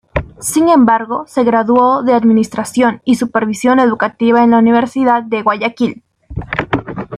Sin embargo se graduó de Administración y Supervisión Educativa en la Universidad de Guayaquil.